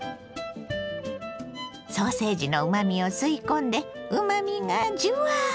ソーセージのうまみを吸い込んでうまみがジュワッ！